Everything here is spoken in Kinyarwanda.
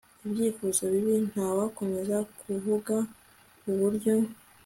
ibyifuzo bibi Nta wakomeza kuvuga uburyo